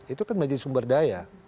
itu kan menjadi sumber daya